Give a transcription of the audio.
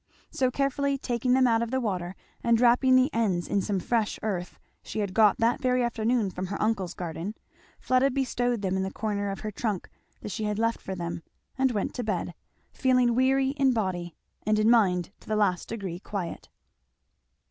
So carefully taking them out of the water and wrapping the ends in some fresh earth she had got that very afternoon from her uncle's garden, Fleda bestowed them in the corner of her trunk that she had left for them, and went to bed, feeling weary in body, and in mind to the last degree quiet.